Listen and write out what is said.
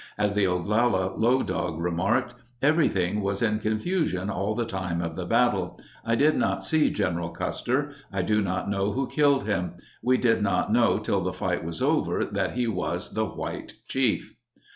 As the Oglala Low Dog remarked: "Every thing was in confusion all the time of the fight. I did not see General Custer. I do not know who killed him. We did not know till the fight was over that he was the white chief."